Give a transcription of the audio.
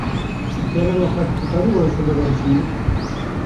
Ji kerema xwe tu dikarî wan ji min re bişînî.